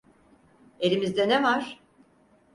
Elimizde ne var?